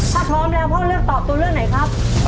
ถ้าพร้อมแล้วพ่อเลือกตอบตัวเลือกไหนครับ